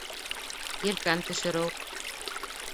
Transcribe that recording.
Елкән төшөрөү